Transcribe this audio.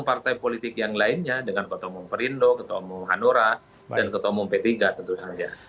partai politik yang lainnya dengan ketumum perindo ketumum hanora dan ketumum p tiga tentu saja